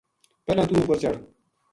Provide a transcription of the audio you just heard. پہلاں توہ اپر چڑھ